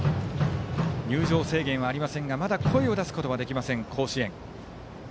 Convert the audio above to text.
入場制限はありませんがまだ声を出すことはできません甲子園。